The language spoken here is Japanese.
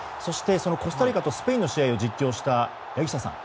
コスタリカとスペインの試合を実況した柳下さん